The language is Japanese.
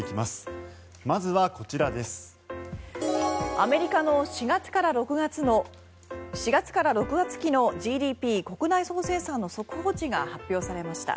アメリカの４月から６月期のＧＤＰ・国内総生産の速報値が発表されました。